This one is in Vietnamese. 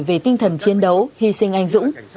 về tinh thần chiến đấu hy sinh anh dũng